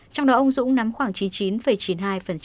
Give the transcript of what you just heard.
trong đó ông dũng nắm khoảng chín mươi chín chín mươi hai